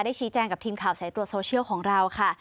ได้ชี้แจกับทีมข่าวแสด็วกโซเชียลของเราค่ะ